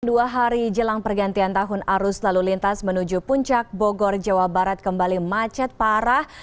dua hari jelang pergantian tahun arus lalu lintas menuju puncak bogor jawa barat kembali macet parah